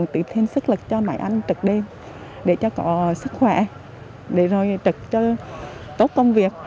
tự thiên sức lực cho bảy anh trực đi để cho có sức khỏe để rồi trực cho tốt công việc